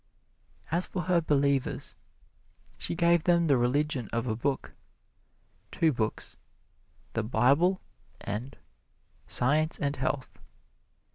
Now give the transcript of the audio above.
As for her believers, she gave them the religion of a Book two Books, the Bible and "Science and Health."